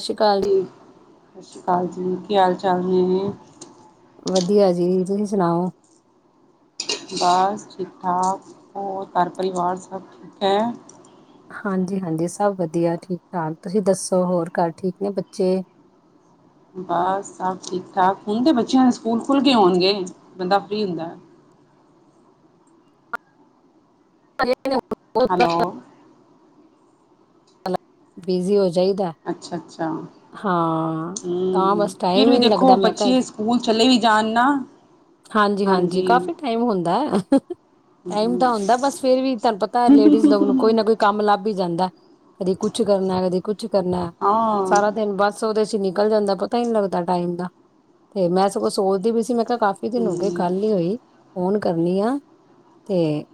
ਸਤਿ ਸ਼੍ਰੀ ਅਕਾਲ। ਸਤਿ ਸ਼੍ਰੀ ਅਕਾਲ ਜੀ, ਕੀ ਹਾਲ ਚਾਲ ਨੇ? ਵਧੀਆ ਜੀ ਤੁਸੀਂ ਸੁਣਾਓ। ਬਸ ਠੀਕ-ਠਾਕ ਹੋਰ ਘਰ ਪਰਿਵਾਰ ਸਭ ਠੀਕ ਹੈ। ਹਾਂਜੀ-ਹਾਂਜੀ, ਸਭ ਵਧੀਆ ਠੀਕ-ਠਾਕ, ਤੁਸੀਂ ਦੱਸੋ ਹੋਰ ਘਰ ਠੀਕ ਨੇ ਬੱਚੇ? ਬਸ ਸਭ ਠੀਕ-ਠਾਕ ਹੁਣ ਤਾਂ ਬੱਚਿਆਂ ਦੇ ਸਕੂਲ ਖੁੱਲ੍ਹ ਗਏ ਹੋਣਗੇ ਬੰਦਾ ਫਰੀ ਹੁੰਦਾ। ਹੈਲੋ [unintelligible] ਬਿਜੀ ਹੋ ਜਾਈਦਾ। ਅੱਛਾ-ਅੱਛਾ। ਹਾਂ ਤਾਂ ਹੂੰ, ਬਸ ਫਿਰ ਟਾਈਮ ਵੀ ਹੀ ਨਹੀਂ ਦੇਖੋ, ਲੱਗਦਾ ਮੈਂ ਕਿਹਾ ਬੱਚੇ ਸਕੂਲ ਚਲੇ ਵੀ ਜਾਣ ਨਾ ਹਾਂਜੀ-ਹਾਂਜੀ, ਹਾਂਜੀ ਕਾਫ਼ੀ ਟਾਈਮ ਹੁੰਦਾ। ਟਾਈਮ ਤਾਂ ਹੁੰਦਾ, ਬਸ ਫੇਰ ਵੀ ਤੁਹਾਨੂੰ ਪਤਾ ਲੇਡੀਜ਼ ਲੋਗ ਨੂੰ ਕੋਈ ਨਾ ਕੋਈ ਕੰਮ ਲੱਭ ਹੀ ਜਾਂਦਾ। ਕਦੀ ਕੁਛ ਕਰਨਾ, ਕਦੀ ਕੁਛ ਕਰਨਾ ਹਾਂ ਸਾਰਾ ਦਿਨ ਬਸ ਬਸ ਉਹਦੇ ਚ ਨਿਕਲ ਜਾਂਦਾ ਪਤਾ ਹੀ ਨਹੀਂ ਲੱਗਦਾ ਟਾਈਮ ਦਾ, ਤੇ ਮੈਂ ਸਗੋਂ ਸੋਚਦੀ ਪਈ ਸੀ ਮੈਂ ਕਿਹਾ ਕਾਫੀ ਕਾਫੀ ਦਿਨ ਹੋ ਗਏ, ਹਮ ਗੱਲ ਨੀ ਹੋਈ, ਫੋਨ ਕਰਨੀ ਆਂ ਤੇ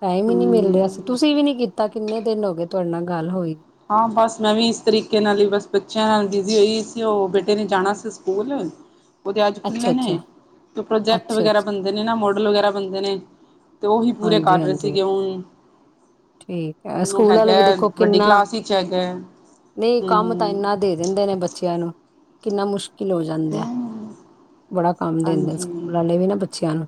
ਟਾਈਮ ਹੀ ਨਹੀਂ ਮਿਲ ਰਿਹਾ ਸੀ, ਹਮ ਤੁਸੀਂ ਵੀ ਨੀ ਕੀਤਾ ਕਿੰਨੇ ਦਿਨ ਹੋ ਗਏ ਤੁਹਾਡੇ ਨਾਲ ਗੱਲ ਹੋਈ? ਹਾਂ, ਬਸ ਮੈਂ ਵੀ ਇਸ ਤਰੀਕੇ ਨਾਲ ਹੀ ਬਸ ਬੱਚਿਆਂ ਨਾਲ ਬਿਜੀ ਹੋਈ ਸੀ, ਉਹ ਬੇਟੇ ਨੇ ਜਾਣਾ ਸੀ ਸਕੂਲ। ਉਹਦੇ ਅੱਜ ਅੱਛਾ ਖੁੱਲ੍ਹੇ ਅੱਛਾ ਨੇ, ਤੇ ਪ੍ਰੋਜੈਕਟ ਅੱਛਾ ਵਗੈਰਾ ਅੱਛਾ ਬਣਦੇ ਨੇ ਨਾ ਮੋਡਲ ਵਗੈਰਾ ਬਣਦੇ ਨੇ ਤੇ ਓਹੀ ਪੂਰੇ ਹਾਂਜੀ ਕਰ ਰਹੇ ਹਾਂਜੀ ਸੀਗੇ ਹੁਣ ਠੀਕ ਐ। ਨੂੰ ਸਕੂਲ ਹੈਗਾ ਵਾਲੇ ਵੀ ਦੇਖੋ ਵੱਡੀ ਕਿੰਨਾ, ਕਲਾਸ ਵਿੱਚ ਹੈਗਾ ਨਹੀਂ ਕੰਮ ਤਾਂ ਹਮ ਇੰਨਾ ਦੇ ਦਿੰਦੇ ਨੇ ਬੱਚਿਆਂ ਨੂੰ, ਕਿੰਨਾ ਮੁਸ਼ਕਿਲ ਹੋ ਜਾਂਦਾ। ਹਮ ਬੜਾ ਕੰਮ ਦਿੰਦੇ ਨੇ ਨਾ ਸਕੂਲ ਵਾਲੇ ਵੀ ਨਾ ਬੱਚਿਆਂ ਨੂੰ।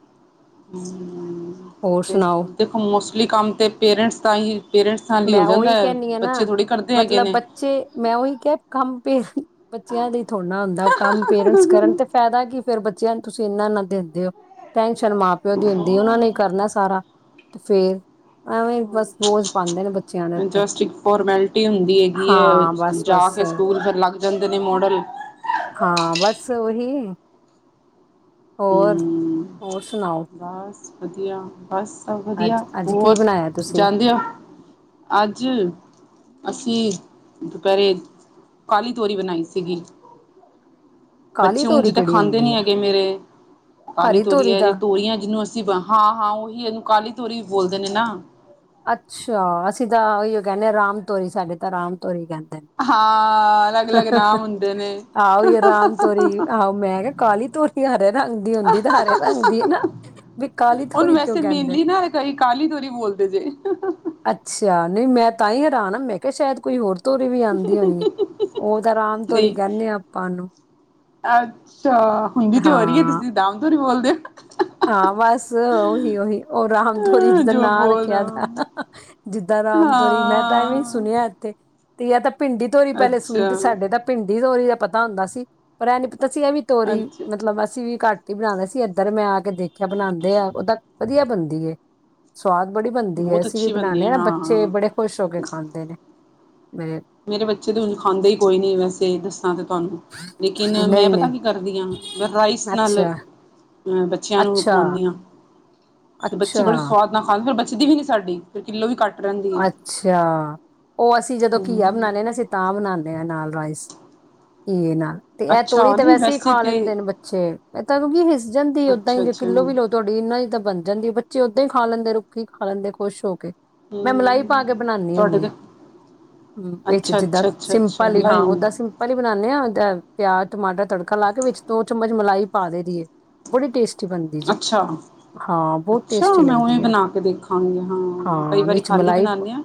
ਹੰ, ਹੋਰ ਤੇ ਸੁਣਾਓ ਦੇਖੋ ਮੋਸਟਲੀ ਕੰਮ ਤਾਂ ਪੇਰੈਂਟਸ ਦਾ ਹੀ ਪੇਰੈਂਟਸ ਨਾਲ ਹੀ ਹੋ ਮੈਂ ਜਾਂਦਾ ਉਹੀ ਕਹਿੰਦੀ ਹਾਂ ਨਾ ਬੱਚੇ ਥੋੜੇ ਕਰਦੇ ਹੈਗੇ ਮਤਲਬ ਨੇ। ਬੱਚੇ ਮੈਂ ਓਹੀ ਕਿਹਾ ਕੰਮ ਪੇਰੈਂਟਸ ਬੱਚਿਆਂ ਲਈ ਥੋੜਾ ਨਾ ਹੁੰਦਾ ਉਹ ਕੰਮ ਪੇਰੈਂਟਸ ਕਰਨ ਤੇ ਫ਼ਾਇਦਾ ਕਿ ਫੇਰ ਬੱਚਿਆਂ ਨੂੰ ਤੁਸੀਂ ਇਨਾਂ ਨਾ ਦਿੰਦੇ ਹੋ। ਟੈਨਸ਼ਨ ਮਾਂ ਪਿਓ ਦੀ ਹੁੰਦੀ ਏ, ਉਹਨਾਂ ਨੇ ਕਰਨਾ ਸਾਰਾ ਤੇ ਫੇਰ ਐਵੇਂ ਈ ਬਸ ਬੋਝ ਪਾਂਦੇ ਨੇ ਬੱਚਿਆਂ ਦੇ ਉੱਤੇ ਜਸਟ ਇੱਕ ਫੋਰਮੈਲਿਟੀ ਹੁੰਦੀ ਹੈਗੀ ਹੈ ਹਾਂ ਬਸ ਜਾ ਬਸ ਕੇ ਸਕੂਲ ਫਿਰ ਲੱਗ ਜਾਂਦੇ ਨੇ ਮੋਡਲ। ਹਾਂ, ਬਸ ਓਹੀ। ਹੂੰ, ਹੋਰ ਸੁਣਾਓ ਬਸ ਵਧੀਆ। ਬਸ ਸਭ ਵਧੀਆ ਅੱਜ ਅੱਜ ਕੀ ਹੋਰ ਬਣਾਇਆ ਤੁਸੀਂ ਜਾਂਦੇ ਹੋ? ਅੱਜ ਅਸੀਂ ਦੁਪਹਿਰੇ ਕਾਲੀ ਤੋਰੀ ਬਣਾਈ ਸੀਗੀ। ਕਾਲੀ ਬੱਚੇ ਹੁਣ ਤੋਰੀ ਜਿਦਾਂ ਕਿਹੜੀ ਖਾਂਦੇ ਹੁੰਦੀ ਨੀ ਆ ਹੈਗੇ ਮੇਰੇ ਕਾਲੀ ਹਰੀ ਤੋਰੀ ਐ ਜੇ ਦਾ ਤੋਰੀਆਂ ਐ ਜਿਨੂੰ ਅਸੀਂ ਬ ਹਾਂ-ਹਾਂ, ਉਹੀ ਇਹਨੂੰ ਕਾਲੀ ਤੋਰੀ ਵੀ ਬੋਲਦੇ ਨੇ ਨਾ। ਅੱਛਾ, ਅਸੀਂ ਤਾਂ ਉਹੀ ਕਹਿੰਦੇ ਆ ਰਾਮ ਤੋਰੀ ਸਾਡੇ ਤਾਂ ਰਾਮ ਤੋਰੀ ਕਹਿੰ ਹਾਂ ਅਲੱਗ ਅਲੱਗ ਨਾਮ ਹੁੰਦੇ ਨੇ ਹਾਂ ਓਹੀ ਰਾਮ ਤੋਰੀ ਆਹੋ ਮੈਂ ਕਿਹਾ ਕਾਲੀ ਤੋਰੀ ਹਰੇ ਰੰਗ ਦੀ ਹੁੰਦੀ ਤੇ ਹਰੇ ਰੰਗ ਦੀ ਏ ਨਾ। ਵਈ ਕਾਲੀ ਉਹਨੂੰ ਤੋਰੀ ਕਿਉਂ ਵੈਸੇ ਕਹਿੰਦੇ ਨੇ? ਮੇਨਲੀ ਨਾ ਕਈ ਕਾਲੀ ਤਰੀ ਬੋਲਦੇ ਜੇ। ਅੱਛਾ, ਨਹੀ ਮੈਂ ਤਾਂ ਹੀ ਹੈਰਾਨ ਆ, ਮੈਂ ਕਿਹਾ ਸ਼ਾਇਦ ਕੋਈ ਹੋਰ ਤੋਰੀ ਵੀ ਆਂਦੀ ਹੋਣੀ ਏ, ਉਹ ਤਾਂ ਰਾਮ ਤੋਰੀ ਨਹੀਂ ਕਹਿੰਦੇ ਆਂ ਆਪਾਂ ਉਹਨੂੰ। ਅੱਛਾ ਹੁੰਦੀ ਤੇ ਹੋਰੀ ਏ ਹਾਂ ਤੁਸੀਂ ਦਮ ਧੂਰੀ ਬੋਲਦੇ। ਹਾਂ ਬਸ ਓਹੀ-ਓਹੀ ਓ ਰਾਮਧੋਰੀ ਹੋ ਜਿੱਦਾ ਜੋ ਨਾਂ ਬੋਲ ਰਹੇ ਰੱਖਿਆ ਦਾ। ਹੋ ਜਿੱਦਾਂ ਰਾਮ ਤੋਰੀ ਮੈਂ ਤਾਂ ਐਵੇਂ ਈ ਹਾਂ ਸੁਣਿਆ ਐਥੇ। ਤੇ ਜੱਟਤਾਂ ਭਿੰਡੀ ਤੋਰੀ ਪਹਿਲੇ ਸੁਣਦੀ ਅੱਛਾ ਸਾਡੇ ਤਾਂ ਭਿੰਡੀ ਤੋਰੀ ਦਾ ਪਤਾ ਹੁੰਦਾ ਸੀ ਪਰ ਐ ਨੀ ਪਤਾ ਸੀ ਐ ਵੀ ਤੋਰੀ ਅੱਛਾ ਮਤਲਬ ਅਸੀਂ ਵੀ ਘੱਟ ਈ ਬਣਾਂਦੇ ਸੀ ਇੱਧਰ ਮੈਂ ਆ ਕੇ ਦੇਖਿਆ ਬਣਾਂਦੇ ਆ ਓਦਾ ਵਧੀਆ ਬਣਦੀ ਏ। ਸਵਾਦ ਬੜੀ ਬਣਦੀ ਐ ਬਹੁਤ ਅਸੀਂ ਵੀ ਅੱਛੀ ਬਣਦੀ ਬਨਾਣੇ ਆ ਹੈ ਨਾ ਹਾਂ ਬੱਚੇ ਹਾਂ ਬੜੇ ਖੁਸ਼ ਹੋ ਕੇ ਖਾਂਦੇ ਨੇ। [unintelligible] ਮੇਰੇ ਬੱਚੇ ਤੇ ਹੁਣ ਖਾਂਦੇ ਹੀ ਕੋਈ ਨੀਂ ਵੈਸੇ ਦੱਸਾਂ ਤੇ ਤੁਹਾਨੂੰ। ਲੇਕਿਨ ਮੈਂ ਨਹੀਂ ਪਤਾ ਨਹੀਂ ਕੀ ਕਰਦੀ ਹਾਂ ਮੈਂ ਰਾਈਸ ਨਾਲ ਅੱਛਾ ਅ ਬੱਚਿਆਂ ਨੂੰ ਅੱਛਾ ਖਵਾਨੀ ਆਂ, ਤੇ ਬੱਚੇ ਬੜੇ ਅੱਛਾ ਸਵਾਦ ਨਾਲ ਖਾਂਦੇ, ਫਿਰ ਬਚਦੀ ਵੀ ਨਹੀਂ ਸਾਡੀ। ਫਿਰ ਕਿੱਲੋ ਵੀ ਘੱਟ ਰਹਿੰਦੀ ਏ। ਅੱਛਾ, ਉਹ ਅਸੀਂ ਜਦੋਂ ਘੀਆ ਬਨਾਨੇ ਆਂ ਨਾ, ਅਸੀਂ ਤਾਂ ਬਨਾਨੇ ਆਂ ਰਾਈਸ, ਘੀਏ ਨਾਲ। ਤੇ ਇਹ ਤੋਰੀ ਅੱਛਾ ਤਾਂ ਨਹੀਂ ਵੈਸੇ ਹੀ ਖਾ ਤਾਂ ਲੈਂਦੇ ਨੇ ਬੱਚੇ। ਐ ਤਾਂ ਕਿਉਂਕਿ ਹਿਸ ਜਾਂਦੀ ਏ ਓਦਾਂ ਅੱਛਾ ਹੀ, ਜੇ ਅੱਛਾ ਕਿੱਲੋ ਵੀ ਲਓ ਤੁਹਾਡੀ ਇਹਨਾ ਈ ਤਾਂ ਬਣ ਜਾਂਦੀ ਏ। ਬੱਚੇ ਉੱਦਾਂ ਹੀ ਖਾ ਲੈਂਦੇ ਰੁੱਖੀ, ਖਾ ਲੈਂਦੇ ਖੁਸ਼ ਹੋ ਕੇ। ਮੈਂ ਮਲਾਈ ਪਾ ਕੇ ਹਮ ਬਨਾਨੀ ਤੁਹਾਡੇ ਹੁੰਦੀ ਤਾਂ ਆ। ਹੂੰ, ਵਿੱਚ ਅੱਛਾ ਜਿੱਦਾਂ ਅੱਛਾ ਅੱਛਾ ਅੱਛਾ ਸਿੰਪਲ ਹੀ, ਹਾਂ ਲਾਈਨ ਓਦਾਂ ਸਿੰ ਪਲੀ ਬਣਾਨੇ ਆ ਪਿਆਜ ਟਮਾਟਰ ਤੜਕਾ ਲਾ ਕੇ ਵਿੱਚ ਦੋ ਚਮਚ ਮਲਾਈ ਪਾ ਦੇ ਦਈ ਦੀ। ਬੜੀ ਟੇਸਟੀ ਬਣਦੀ ਜੇ। ਅੱਛਾ ਹਾਂ ਬੋਤ ਅੱਛਾ ਟੇਸਟੀ ਮੈਂ ਉਵੇਂ ਲੱਗਦੀ ਆ ਬਣਾ ਕੇ ਦੇਖਾਂਗੀ ਕਈ ਹਾਂ ਵਾਰੀ ਵਿੱਚ ਖਾਲੀ ਮਲਾਈ ਬਣਾਉਂਦੇ ਹਾਂ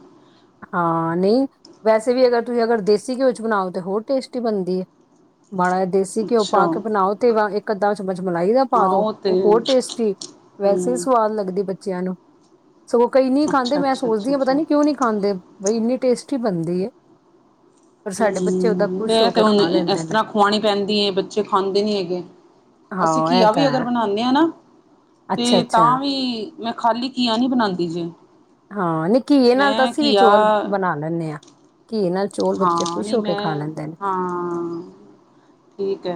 ਹਾਂ ਨਈ ਵੈਸੇ ਵੀ ਅਗਰ ਤੁਸੀਂ ਅਗਰ ਦੇਸੀ ਘਿਓ ਚ ਬਣਾਓ ਤੇ ਹੋਰ ਟੇਸਟੀ ਬਣਦੀ ਐ। ਮਾੜਾ ਜਾ ਦੇਸੀ ਘਿਓ ਅੱਛਾ ਪਾ ਕੇ ਬਣਾਓ ਤੇ ਵਿੱਚ ਇੱਕ ਅੱਧਾ ਚਮਚ ਮਲਾਈ ਦਾ ਹਾਂ ਪਾ ਦੋ ਉਹ ਤੇ ਓ ਹੋਰ ਟੇਸਟੀ ਵੈਸੇ ਈ ਹਮ ਸਵਾਦ ਲੱਗਦੀ ਬੱਚਿਆਂ ਨੂੰ ਸਗੋਂ ਕਈ ਨੀ ਖਾਂਦੇ ਅੱਛਾ ਮੈਂ ਅੱਛਾ ਸੋਚਦੀ ਅੱਛਾ ਆ ਅੱਛਾ ਪਤਾ ਨੀ ਕਿਉਂ ਨੀ ਖਾਂਦੇ ਬਈ ਇੰਨੀ ਟੇਸਟੀ ਬਣਦੀ ਏ। ਹੂੰ ਵੇ ਖੁਸ਼ ਹੋ ਤੇ, ਕੇ ਹੁਣ ਖਾ ਲੈਂਦੇ ਇਸ ਨੇ ਤਰਾਂ ਖਵਾਣੀ ਪੈਂਦੀ ਐ, ਬੱਚੇ ਖਾਂਦੇ ਨੀ ਹੈਗੇ। ਅਸੀਂ ਹਾਂ ਇਹ ਘੀਆ ਤਾਂ ਵੀ ਹੈ ਅਗਰ ਬਣਾਨੇ ਨੇ ਆ ਨਾ, ਅੱਛਾ ਤੇ ਅੱਛਾ ਤਾਂ ਵੀ ਮੈਂ ਖਾਲੀ ਕੀਆ ਨੀ ਬਣਾਂਦੀ ਜੇ। ਹਾਂ ਨੀ ਘੀਏ ਨਾਲ ਤਾਂ, ਮੈਂ ਅਸੀਂ ਵੀ ਘੀਆ ਚੌਲ ਬਣਾ ਲੈਂਨੇ ਆ। ਘੀਏ ਨਾਲ ਚੌਲ ਬੱਚੇ, ਹਾਂ ਖ਼ੁਸ਼ ਨਹੀਂ ਹੋ ਕੇ ਮੈਂ ਖਾ ਲੈਂਦੇ ਨੇ। ਹਾਂ ਠੀਕ ਐ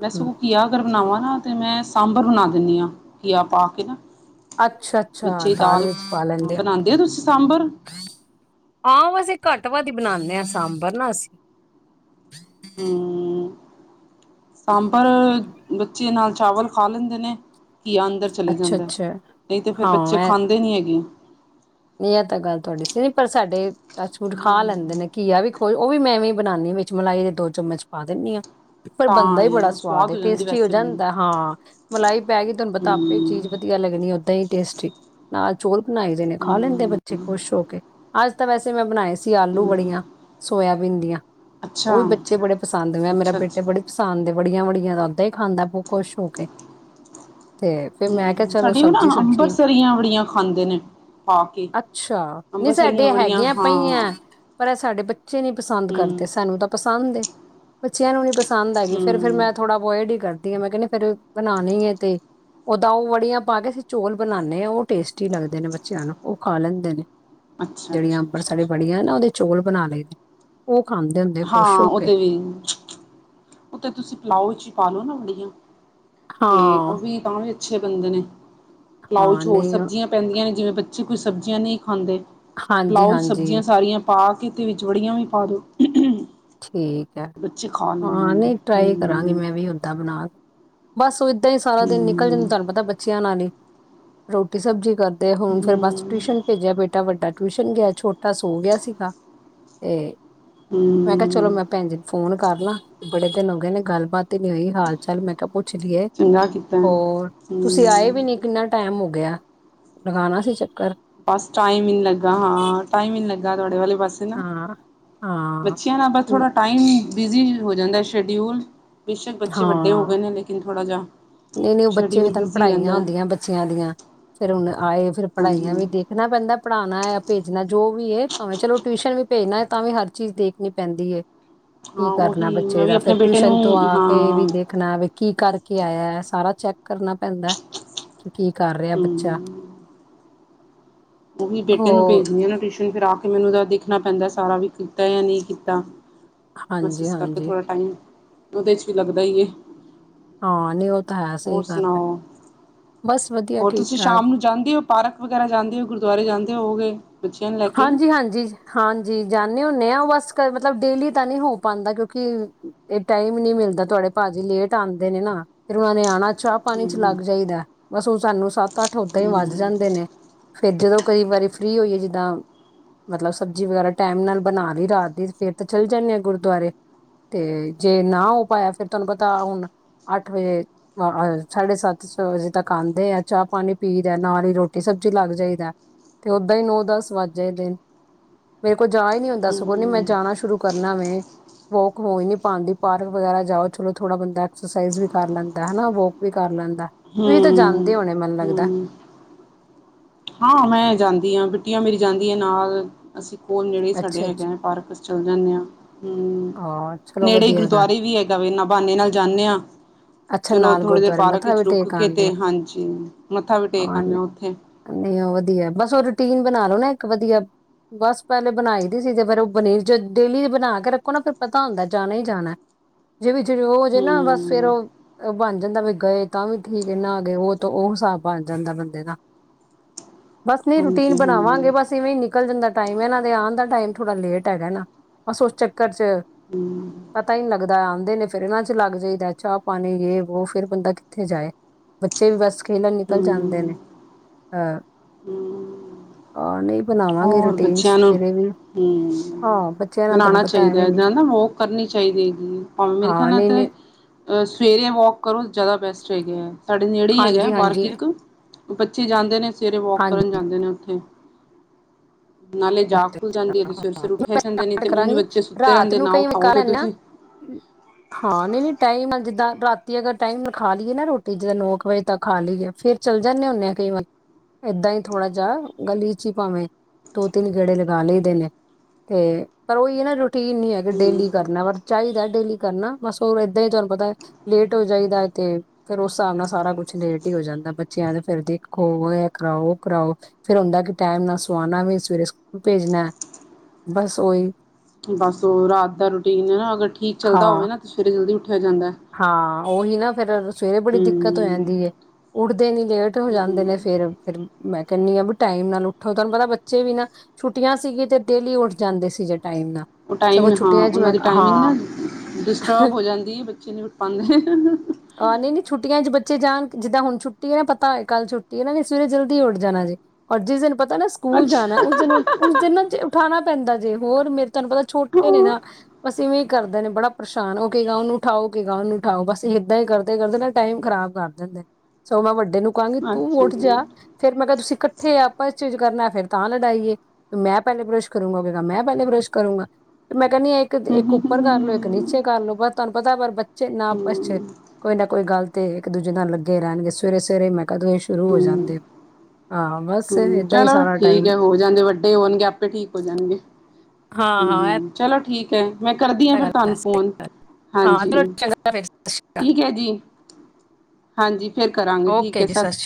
ਬਸ ਹਮ ਊ ਘੀਆ। ਅਗਰ ਬਣਾਵਾਂ ਨਾ ਤੇ ਮੈਂ, ਸਾਂਬਰ ਬਣਾ ਦਿੰਨੀ ਆ ਘੀਆ ਪਾ ਕੇ ਨਾ। ਅੱਛਾ ਅੱਛਾ ਵੀਚੇ ਦਾਲ ਵਿੱਚ ਪਾ ਲੈਂਦੇ ਬਣਾਂਦੇ ਓ ਤੁਸੀਂ ਸਾਂਬਰ? ਹਾਂ ਵੈਸੇ ਘੱਟ- ਵੱਧ ਈ, ਬਣਾਨੇ ਆ ਸਾਂਬਰ ਨਾ ਅਸੀਂ। ਹੂੰ। ਸਾਂਬਰ ਬੱਚੇ ਨਾਲ, ਚਾਵਲ ਖਾ ਲੈਂਦੇ ਨੇ। ਘੀਆ ਅੰਦਰ ਚਲੇ ਅੱਛਾ ਜਾਂਦਾ ਏ, ਅੱਛਾ ਨਈ ਤਾਂ ਫੇਰ ਬੱਚੇ ਖਾਂਦੇ ਨੀ ਹੈਗੇ। ਨਈ ਐ ਤਾਂ ਗੱਲ ਤੁਹਾਡੀ ਸਹੀ। ਪਰ ਸਾਡੇ ਟੱਚ ਵੁਡ ਖਾ ਲੈਂਦੇ ਨੇ। ਘੀਆ ਵੀ ਖੁ ਓ ਵੀ ਮੈਂ ਐਵੇਂ ਹੀ ਬਣਾਨੀ ਆ। ਵਿੱਚ ਮਲਾਈ ਦੇ ਦੋ ਚਮਚ ਪਾ ਦਨੀ ਆ। ਪਰ ਬੰਦਾ ਤਾਂ ਹੀ ਬੜਾ ਸਵਾਦ ਏ, ਜਾਂਦੀ ਟੇਸਟੀ ਹੋ ਵੈਸੇ ਮੈਨੂੰ ਜਾਂਦਾ ਹਾਂ। ਮਲਾਈ ਪੈ ਗਈ, ਤੁਹਾਨੂੰ ਪਤਾ ਆਪੇ ਹੂੰ ਚੀਜ਼ ਵਧੀਆ ਲੱਗਣੀ ਐ। ਓਦਾਂ ਈ ਟੇਸਟੀ ਨਾਲ ਚੋਲ ਬਣਾਈ ਦੇ ਨੇ, ਖਾ ਹੂੰ ਲੈਂਦੇ ਬੱਚੇ ਖੁਸ਼ ਹੋ ਕੇ। ਅੱਜ ਤਾਂ ਵੈਸੇ ਮੈਂ ਬਣਾਏ ਸੀ। ਅਸੀ ਆਲੂ- ਹੂੰ, ਬੜੀਆਂ ਸੋਇਆਬੀਨ ਦੀਆਂ। ਓ ਅੱਛਾ ਵੀ ਬੱਚੇ ਬੜੇ ਪਸੰਦ ਮੈਂ ਮੇਰਾ ਅੱਛਾ ਬੇਟੇ ਅੱਛਾ ਬੜੇ। ਪਸੰਦ ਏ ਬੜੀਆਂ, ਵੜੀਆਂ ਓਦਾਂ ਈ ਖਾਂਦਾ ਬੋ ਖੁਸ਼ ਹੋ ਕੇ। ਤੇ ਫੇਰ ਮੈਂ ਕਿਆ ਚਲੋ ਸਬਜ਼ੀ- ਸੁਬਜੀ। ਪਈਆਂ ਬੜੀਆਂ। ਖਾਂਦੇ ਨੇ। ਪਾ ਕੇ ਅੱਛਾ, ਨਈ ਅੰਬਰਸਰੀਆਂ ਸਾਡੇ ਬੜੀਆਂ ਹੈਗੀਐ ਹਾਂ ਪਈਐ। ਪਰ ਇਹ ਸਾਡੇ ਬੱਚੇ ਨਹੀਂ ਪਸੰਦ ਕਰਦੇ। ਹੂੰ ਸਾਨੂੰ ਤਾਂ ਪਸੰਦ ਹੈ। ਬੱਚਿਆਂ ਨੂੰ ਨੀ ਪਸਦ ਹੈ ਗੀ ਫੇਰ, ਫੇਰ ਹੂੰ ਮੈਂ ਥੋੜਾ ਬੋਇਡ ਹੀ ਕਰਦੀ ਆਂ। ਮੈਂ ਕਹਿੰਦੀ। ਫੇਰ ਬਣਾਉਣੀ ਹੈ ਤੇ, ਉਦਾ ਊਹ ਵੜੀਆਂ ਪਾ ਕੇ ਅਸੀਂ ਚੋਲ ਬਣਾਉਦੇ ਹਾਂ। ਉਹ ਟੇਸਟੀ ਲੱਗਦੇ ਨੇ ਬ- ਬੱਚਿਆਂ ਨੂੰ ਉਹ ਖਾ ਲੈਂਦੇ ਨੇ। ਅੱਛਾ ਜਿਹੜੀਆਂ ਅੱਛਾ ਅੰਬਰ ਅੱਛਾ ਸਾਰੀ ਅੱਛਾ ਬੜੀਆਂ ਨਾ ਉਹਦੇ ਚੋਲ ਬਣਾ ਲਏ ਦੇ ਨੇ। ਉਹ ਖਾਂਦੇ ਹੁੰਦੇ ਖੁਸ਼ ਹੋ ਕੇ। ਪ [unintelligible] ਉਹ ਤੇ ਤੁਸੀਂ ਪਲਾਓ ਵਿੱਚ, ਹੀ ਪਾ ਲਓ ਨਾ ਬੜੀਆਂ ਤੇ ਹਾਂ ਉਹ ਵੀ। ਤਾਂ ਵੀ ਅੱਛੇ ਬੰਦੇ ਨੇ। ਪੱਲਾਓ ਹਾਂ ਚ ਹੋਰ ਨਹੀਂ ਸਬਜ਼ੀਆਂ। ਪੈਂਦੀਆਂ ਨੇ। ਜਿਵੇਂ ਬੱਚੇ ਕੋਈ ਸਬਜ਼ੀਆਂ ਨਹੀਂ ਖਾਂਦੇ, ਹਾਂਜੀ ਪਲਾਓ ਹਾਂਜੀ ਸਬਜ਼ੀਆਂ ਸਾਰੀਆਂ। ਪਾ ਕੇ ਤੇ ਵਿਚ ਵੜੀਆਂ ਵੀ ਪਾ ਦੋ। ਠੀਕ ਐ, ਬੱਚੇ ਖਾ ਲੈਂਦੇ ਹਾਂ ਨੇ ਨਈ ਟਰਾਈ ਕਰਾਂਗੀ। ਹੂੰ ਮੈਂ ਵੀ ਓਦਾਂ ਬਣਾ। ਬਸ ਓ ਏਦਾਂ ਈ ਸਾਰਾ ਦਿਨ ਨਿਕਲ ਜਾਂਦਾ ਹੂੰ ਤੁਹਾਨੂੰ ਪਤਾ ਬੱਚਿਆਂ ਨਾਲ ਈ। ਰੋਟੀ- ਸਬਜ਼ੀ ਕਰਦੇ ਹੁਣ, ਫੇਰ ਬਸ। ਹੂੰ ਟਿਊਸ਼ਨ ਭੇਜਿਆ, ਬੇਟਾ ਵੱਡਾ ਟਿਊਸ਼ਨ ਗਿਆ। ਛੋਟਾ ਸੋ ਗਿਆ ਸੀਗਾ ਤੇ। ਹੂੰ। ਕਿਆ ਚਲੋ ਮੈਂ ਭੈਣ ਜੀ ਨੂੰ, ਫੋਨ ਕਰ ਲਾਂ ਬੜੇ ਦਿਨ ਹੋਗੇ ਨੇ ਗੱਲਬਾਤ ਈ ਨੀ ਹੋਈ। ਹਾਲ- ਚਾਲ ਮੈਂ ਕਿਆ ਪੁ ਪੁੱਛ ਲੀਏ। ਚੰਗਾ ਕੀਤਾ ਹੋਰ ਤੁਸੀਂ ਆਏ ਵੀ ਹੂੰ ਨੀ ਕਿੰਨਾ ਟੈਮ ਹੋ ਗਿਆ। ਲਗਾਣਾ ਸੀ ਚੱਕਰ। ਬਸ ਟਾਈਮ ਈ ਨੀ ਲੱਗਾ। ਹਾਂ ਟਾਈਮ ਈ ਨੀ ਲੱਗਾ। ਤੁਹਾਡੇ ਵਾਲੇ ਬਸ ਹਾਂ। ਹਾਂ ਬੱਚਿਆਂ ਨਾਲ ਬ ਥੋੜਾ ਟਾਈਮ ਬਿਜ਼ੀ ਹੋ ਜਾਂਦਾ ਹੈ ਸ਼ਡਿਊਲ। ਬੇਸ਼ੱਕ ਬੱਚੇ ਵੱਡੇ ਹੋ ਹਾਂ ਗਏ ਨੇ। ਲੇਕਿਨ ਥੋੜਾ ਜਿਹਾ ਨਹੀਂ ਨਹੀਂ ਉਹ ਬੱਚੇ ਫਿਰ ਸ਼ਡਿਊਲ ਤੁਹਾਨੂੰ ਬਿਜ਼ੀ ਹੀ ਰੈਂਦਾ ਪੜ੍ਹਾਈਆਂ ਹੈ। ਹੁੰਦੀਆਂ ਬੱਚਿਆਂ ਦੀਆਂ। ਫੇਰ ਹੁਣ ਆਏ ਫੇਰ ਪੜਾਈਆਂ ਹਾਂਜੀ ਵੀ ਦੇਖ। ਦੇਖਣਾ ਪੈਂਦਾ। ਪੜਾਉਣਾ ਹੈ, ਭੇਜਣਾ ਜੋ ਵੀ ਹੈ ਭਾਵੇਂ ਚਲੋ ਟਿਊਸ਼ਨ ਵੀ ਭੇਜਣਾ ਹੈ। ਤਾਂ ਵੀ ਹਰ ਚੀਜ਼ ਦੇਖਣੀ ਪੈਂਦੀ ਹੈ। ਕੀ ਹਾਂ ਕਰਨਾ ਉਹੀ ਬੱਚੇ ਮੈਂ ਵੀ ਦਾ ਫੇਰ ਆਪਣੇ ਬੇਟੇ ਨੂੰ ਟਿਊਸ਼ਨ ਤੋਂ ਆ ਕੇ ਵੀ। ਹਾਂ ਦੇਖਣਾ ਵੀ, ਕੀ ਕਰਕੇ ਆਇਆ ਸਾਰਾ ਚੈੱਕ ਕਰਨਾ। ਪੈਂਦਾ ਕਿ, ਕੀ ਕਰ ਰਿਹਾ ਬੱਚਾ। ਹੂੰ ਉਹੀ ਬੇਟੇ ਨੂੰ ਹੋ ਭੇਜਦੀ ਆ ਟਿਊਸ਼ਨ ਫਿਰ ਆ ਕੇ ਮੈਨੂੰ ਤਾਂ ਦੇਖਣਾ ਪੈਂਦਾ ਸਾਰਾ ਵੀ ਕੀਤਾ ਜਾਂ ਨਹੀਂ ਕੀਤਾ। ਬਸ ਹਾਂਜੀ ਇਸ ਕਰਕੇ ਹਾਂਜੀ ਥੋੜ੍ਹਾ ਟਾਈਮ ਉਹਦੇ ਚ ਵੀ ਲੱਗਦਾ ਹੀ ਏ। ਹਾਂ, ਨਹੀਂ ਉਹ ਤਾਂ ਹੈ ਸਹੀ ਗੱਲ ਹੈ, ਸੁਣਾਓ ਬਸ ਵਧੀਆ ਠੀਕ ਠਾਕ। ਜਾਦੇ ਹੋ ਪਾਰਕ ਵਗੈਰਾ ਜਾਂਦੇ ਹੋ ਗੁਰਦੁਆਰੇ ਜਾਂਦੇ ਹੋਗੇ। ਬੱਚਿਆਂ ਨੂੰ ਲੈ ਕੇ ਹਾਂਜੀ-ਹਾਂਜੀ। ਹਾਂਜੀ ਜਾਂਦੇ ਹੁੰਦੇ ਹਾਂ ਉਹ ਬਸ ਮਤਲਬ ਡੇਲੀ ਤਾਂ ਨਹੀਂ ਹੋ ਪਾਉਦਾ ਕਿਉਂਕਿ, ਇਹ ਟਾਈਮ ਨੀ ਮਿਲਦਾ ਤੁਹਾਡੇ ਭਾਜੀ ਲੇਟ ਆਉਂਦੇ ਨੇ ਨਾ, ਫਿਰ ਉਹਨਾ ਨੇ ਆਉਣਾ ਚ ਪਾਣੀ ਚ ਹੂੰ ਲੱਗ ਜਾਈਦਾ ਬਸ ਉਹ ਸਾਨੂੰ ਸੱਤ ਅੱਠ ਓਦਾਂ ਹੀ ਵੱਜ ਹੂੰ ਜਾਂਦੇ ਨੇ। ਫੇਰ ਜਦੋਂ ਕਈ ਵਾਰੀ ਫਰੀ ਹੋਈਏ ਜੀ, ਦਾ ਮਤਲਬ ਸਬਜ਼ੀ ਵਗੈਰਾ ਟਾਈਮ ਨਾਲ ਬਣਾ ਲਈ ਰਾਤ ਦੀ ਫੇਰ ਤਾਂ ਚੱਲ ਜਾਂਦੇ ਆ ਗੁਰਦੁਆਰੇ, ਤੇ ਜੇ ਨਾ ਹੋ ਪਾਇਆ ਫੇਰ ਤੁਹਾਨੂੰ ਪਤਾ ਹੁਣ ਅੱਠ ਵਜੇ, ਅ ਸਾਢੇ ਸੱਤ ਛੇ ਵਜੇ ਤੱਕ ਆਉਦੇ ਆ ਚਾਹ ਪਾਣੀ ਪੀ ਦਾ ਨਾਲ ਹੀ ਰੋਟੀ ਸਬਜ਼ੀ ਲੱਗ ਜਾਈਦਾ। ਤੇ ਓਦਾਂ ਹੀ ਨੌ ਦਸ ਵੱਜਏ ਦੇ, ਮੇਰੇ ਕੋਲ ਜਾ ਹੀ ਨਹੀਂ ਹੁੰਦਾ ਸਗੋਂ ਨੀ ਮੈਂ ਹੂੰ ਜਾਣਾ ਸ਼ੁਰੂ, ਕਰਨਾ ਮੈਂ, ਵੋਕ ਹੋ ਹੀ ਨਹੀਂ ਪਾਉਂਦੀ ਪਾਰਕ ਵਗੈਰਾ ਜਾਓ ਚਲੋ ਥੋੜਾ ਬੰਦਾ ਐਕਸਰਸਾਈਜ਼ ਵੀ ਕਰ ਲੈਂਦਾ ਹੈਨਾ ਵੋਕ ਵੀ ਕਰ ਲੈਂਦਾ। ਤੁਸੀਂ ਤਾਂ ਹੂੰ ਜਾਂਦੇ ਹੋਣੇ ਮਨ ਲੱਗਦਾ। ਹੂੰ ਹਾਂ ਮੈਂ ਜਾਂਦੀ ਹਾਂ ਬਿੱਟੀਆਂ ਮੇਰੀ ਜਾਂਦੀ ਆ ਨਾਲ ਅਸੀਂ ਕੋਨ ਜਿਹੜੇ ਸਾਡੇ ਅੱਛਾ ਹੈਗੇ ਅੱਛਾ ਹੈ ਪਾਰਕ। ਚੱਲ ਜਾਂਦੇ ਹਾਂ, ਹਾਂ ਚਲੋ ਨੇੜੇ ਹੀ ਵਧੀਆ ਗੱਲ ਗੁਰਦੁਆਰੇ ਹੈ। ਵੀ ਹੈਗਾ ਵਨਾ ਬਹਾਨੇ ਨਾਲ ਜਾਂਦੇ ਹਾਂ। ਅੱਛਾ ਚਲੋ ਨਾਲ ਥੋੜੀ ਦੇਰ ਗੁਰਦੁਆਰੇ ਪਾਰਕ ਮੱਥਾ ਵਿਚ ਵੀ ਰੁਕ ਟੇਕ ਕੇ ਆਉਂਦੇ ਤੇ ਆ ਹਾਂਜੀ ਮੱਥਾ ਵੀ ਟੇਕ ਆਉਂਦੇ ਹੋ ਉੱਥੇ। ਵਧੀਆ ਵਧੀਆ ਬਸ ਉਹ ਰੂਟੀਨ ਬਣਾ ਲੋ ਨਾ ਇੱਕ ਵਧੀਆ। ਬਸ ਪਹਿਲੇ ਬਣਾਈ ਦੀ ਸੀ ਤੇ ਫੇਰ ਉਹ ਬ ਡੇਲੀ ਬਣਾ ਕੇ ਰੱਖੋ ਨਾ ਫਿਰ ਪਤਾ ਹੁੰਦਾ ਜਾਣਾ ਹੀ ਜਾਣਾ। ਜੇ ਵਿੱਚ ਦੀ ਉਹ ਹੋ ਜੇ ਨਾ ਬਸ ਫਰ ਹੂੰ ਉਹ, ਉਹ ਬਣ ਜਾਂਦਾ ਵੀ ਗਏ ਤਾਂ ਵੀ ਠੀਕ ਨਾ ਗਏ ਉਹ ਤਾਂ ਉਹ ਹਿਸਾਬ ਬਣ ਜਾਂਦਾ ਬੰਦੇ ਦਾ। ਬਸ ਨੀ ਰੂਟੀਨ ਹਾਂਜੀ ਬਣਾਵਾਗੇ ਹਾਂਜੀ ਬਸ ਤਿਵੇਂ ਨਿਕਲ ਜਾਂਦਾ ਟਾਈਮ ਇਹਨਾ ਦੇ ਆਉਣ ਦਾ ਟਾਈਮ ਥੋੜਾ ਲੇਟ ਹੈਗਾ ਨਾ ਬਸ ਉਸ ਚੱਕਰ ਚ ਹੂੰ। ਪਤਾ ਈ ਨੀ ਲੱਗਦਾ ਆਉਦੇ ਨੇ ਫਿਰ ਇਹਨਾਂ ਚ ਲੱਗ ਜਾਈਦਾ ਚਾਹ ਪਾਣੀ ਯੇ ਵੋ ਫਿਰ ਬੰਦਾ ਕਿੱਥੇ ਜਾਏ। ਬੱਚੇ ਵੀ ਬਸ ਖੇਲਣ ਨਿਕਲ ਜਾਂਦੇ ਨੇ, ਹੂੰ ਅਹ। ਹੂੰ ਆਹ ਨਈ ਬਣਾਵਾਗੇ ਹੋਰ ਰੂਟੀਨ ਬੱਚਿਆਂ ਨੂੰ ਫੇਰ ਏ ਵੀ। ਹੂੰ, ਹਾਂ ਬੱਚਿਆਂ ਨਾਲ ਤੁਹਾਨੂੰ ਬਣਾਣਾ ਪਤਾ ਚਾਈਦਾ ਐਵੇਂ ਇਹ ਨੀ ਦੇ ਨਾ ਉਹ ਕਰਨੀ ਚਾਈਦੀ ਹੈਗੀ ਭਾਵੇਂ ਮੇਰੇ ਖਿਆਲ ਹਾਂ ਨਾਲ ਨਹੀਂ ਤਾਂ ਨਹੀਂ ਅਹ ਸਵੇਰੇ ਵੋਕ ਕਰੋ ਜ਼ਿਆਦਾ ਬੈਸਟ ਹੈਗਾ, ਸਾਡੇ ਨੇੜੇ ਈ ਹੈਗਾ ਹਾਂਜੀ ਪਾਰਕ ਹਾਂਜੀ ਇੱਕ। ਬੱਚੇ ਜਾਂਦੇ ਨੇ ਸਵੇਰੇ ਵੋਕ ਕਰਨ ਹਾਂਜੀ ਜਾਂਦੇ ਨੇ ਉੱਥੇ। ਨਾਲੇ ਜਾਗ ਅੱਛਾ ਖੁੱਲ ਜਾਂਦੀ ਏ ਜ ਸਵੇਰੀ-ਸਵੇਰੀ ਉੱਠਿਆ ਮੈਂ ਜਾਂਦੇ ਨੇ ਸਟਾਰਟ ਤੇ ਉਝ ਕਰਾਂਗੀ ਬੱਚੇ ਸੁੱਤੇ ਰਾਤ ਰਹਿੰਦੇ ਆ ਨੂੰ ਨਾ ਕਈ ਮੈਂ ਉਠਾਓ ਕਰ ਤੇ ਲੈਂਦੇ ਤੁਸੀਂ ਹਾਂ [inaudible] ਹਾਂ ਨਹੀਂ ਨਹੀਂ ਟਾਈਮ ਜਿੱਦਾਂ ਰਾਤੀ ਅਗਰ ਟਾਈਮ ਖਾ ਲਈਏ ਨਾ ਰੋਟੀ ਜਿੱਦਾਂ ਨੌ ਕੁ ਵਜੇ ਤੱਕ ਖਾ ਲਈਏ ਫੇਰ, ਚੱਲ ਜਾਂਦੇ ਹੁੰਦੇ ਆ ਕਈ ਵਾਰ, ਏਦਾਂ ਹੀ ਥੋੜ੍ਹਾ ਜਿਹਾ ਗਲੀ ਚ ਹੀ ਭਾਵੇਂ। ਦੋ ਤਿੰਨ ਗੇੜੇ ਲਗਾ ਲਈਏ ਦੇ ਨੇ ਤੇ ਪਰ ਉਹੀ ਨਾ ਰੋ ਰਟੀਨ ਨਹੀਂ ਹੈਗੇ ਡੇਲੀ ਕਰਨਾ ਪਰ ਚਾਹੀਦਾ ਡੇਲੀ ਕਰਨਾ ਬਸ ਹੋਰ ਏਦਾਂ ਹੀ ਤੁਹਾਨੂੰ ਪਤਾ, ਲੇਟ ਹੋ ਜਾਈਦਾ ਤੇ, ਫਿਰ ਉਸ ਹਿਸਾਬ ਨਾਲ ਸਾਰਾ ਕੁਛ ਲੇਟ ਹੀ ਹੋ ਜਾਂਦਾ ਬੱਚਿਆਂ ਦੇ ਫਿਰ ਦੇਖੋ ਇਹ ਕਰਾਓ ਉਹ ਕਰਾਓ। ਫਿਰ ਹੁੰਦਾ ਕਿ ਟਾਈਮ ਨਾ ਸੁਵਾਣਾ ਵੀ ਸਵੇਰੇ ਸਕੂਲ ਭੇਜਣਾ, ਬਸ ਉਹੀ। ਬਸ ਉਹ ਰਾਤ ਦਾ ਰੂਟੀਨ ਹੈ ਨਾ ਅਗਰ ਠੀਕ ਚੱਲਦਾ ਹਾਂ ਹੋਵੇ ਨਾ ਤਾਂ ਸਵੇਰੇ ਜਲਦੀ ਉੱਠਿਆ ਜਾਂਦਾ। ਹਾਂ, ਉਹੀ ਨਾ ਫੇਰ ਸਵੇਰੇ ਬੜੀ ਦਿੱਕਤ ਹੋ ਹੂੰ ਜਾਂਦੀ ਹੈ। ਉੱਠਦੇ ਨੀ ਲੇਟ ਹੋ ਜਾਂਦੇ ਨੇ ਫਿਰ, ਫਿਰ ਮੈਂ ਕਹਿੰਦੀ ਹਾਂ ਵੀ ਟਾਈਮ ਨਾਲ ਉੱਠੋ ਤੁਹਾਨੂੰ ਪਤਾ ਬੱਚੇ ਵੀ ਨਾ, ਛੁੱਟੀਆਂ ਸੀ ਗੀਆ ਤੇ ਡੇਲੀ ਉੱਠ ਜਾਂਦੇ ਸੀਗੇੇ ਟਾਈਮ ਨਾਲ। ਉਹ ਟਾਈਮ ਸਗੋਂ ਹਾਂ ਛੁੱਟੀਆਂ ਚ ਉਹਨਾਂ ਮੈਂ ਦੀ ਟਾਈਮਿੰਗ ਨਾ ਹਾਂ ਡਿਸਟਰਬ ਹੋ ਜਾਂਦੀ ਏ ਬੱਚੇ ਨੇ ਪੰਨ ਆਹ ਨੇ ਨੀ ਛੁੱਟੀਆਂ ਚ ਬੱਚੇ ਜਾਣ ਜਿੱਦਾਂ ਹੁਣ ਛੁੱਟੀ ਏ ਪਤਾ ਹੋਏ ਕੱਲ੍ਹ ਛੁੱਟੀ ਇਹਨਾ ਨੇ ਸਵੇਰੇ ਜਲਦੀ ਉੱਠ ਜਾਣਾ ਜੇ। ਔਰ ਜਿਸ ਦਿਨ ਪਤਾ ਨਾ ਸਕੂਲ ਜਾਣਾ ਅੱਛਾ ਉਸ ਦਿਨ ਉਸ ਦਿਨ ਨਾ ਉੱਠਾਣਾ ਪੈਂਦਾ ਜੇ ਹੋਰ ਮੇਰੇ ਤੁਹਾਨੂੰ ਪਤਾ ਛੋਟੇ ਨੇ ਨਾ ਹਾਂ ਅਸੀ ਵੀ ਕਰਦੇ ਨੇ ਬੜਾ ਪਰੇਸ਼ਾਨ, ਉਹ ਕੇਗਾ ਉਹਨੂੰ ਉਠਾਓ, ਉਹ ਕੇਗਾ ਉਹਨੂੰ ਉਠਾਓ ਬਸ। ਇਦਾਂ ਈ ਕਰਦੇ-ਕਰਦੇ ਨਾ ਟਾਈਮ ਖ਼ਰਾਬ ਕਰ ਦਿੰਦੇ, ਸੋ ਮੈਂ ਵੱਡੇ ਨੂੰ ਕਹਾਂਗੀ ਤੂੰ ਅੱਛਾ ਉੱਠ ਜੀ ਜਾ। ਫੇਰ ਮੈਂ ਕਿਹਾ ਤੁਸੀਂ ਇਕੱਠੇ ਆਪਾਂ ਚ ਕਰਨਾ ਫੇਰ ਤਾਂ ਲੜਾਈ ਏ। ਮੈਂ ਪਹਿਲੇ ਬਰੱਸ਼ ਕਰੂੰਗਾ, ਮੈਂ ਪਹਿਲੇ ਬਰੱਸ਼ ਕਰੂੰਗਾ ਮੈਂ ਕਹਿੰਨੀ ਹੂੰ ਇੱਕ ਉੱਪਰ ਕਰ ਲਓ ਇੱਕ ਨੀਚੇ ਕਰ ਲਓ ਪਰ ਤੁਹਾਨੂੰ ਪਤਾ ਪਰ ਬੱਚੇ ਨਾ ਬੱਚੇ ਕੋਈ ਨਾ ਕੋਈ ਗੱਲ ਤੇ ਇੱਕ-ਦੂਜੇ ਨਾਲ ਲੱਗੇ ਰਹਿਣਗੇ ਸਵੇਰੇ-ਸਵੇਰੇ ਮੈਂ ਕਦੋਂ ਇਹ ਸ਼ੁਰੂ ਹੋ ਜਾਂਦੇ ਹਾਂ, ਬਸ ਏਦਾਂ ਈ ਸਾਰਾ ਟਾਈਮ ਜਾਂਨੇ ਵੱਡੇ ਹੋਣਗੇ ਆਪੇ ਠੀਕ ਹੋ ਜਾਣਗੇ। ਹਾਂ-ਹਾਂ ਐ ਹੂੰ ਚਲੋ ਠੀਕ ਏ, ਮੈਂ ਕਰਦੀ ਆ ਫਿਰ ਤੁਹਾਨੂੰ ਹੈ ਫ਼ੋਨ ਹਾਂ ਚਲੋ ਹਾਂਜੀ। ਚੰਗਾ ਫਿਰ ਸਤਿ ਸ਼੍ਰੀ ਅਕਾਲ ਠੀਕ ਐ ਜੀ, ਹਾਂਜੀ ਫੇਰ ਕਰਾਂਗੇ ਠੀਕ ਓਕੇ ਏ ਜੀ ਸ਼੍ਰੀ ਸਤਿ ਅਕਾਲ